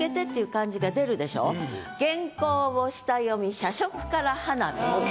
「原稿を下読み社食から花火」と。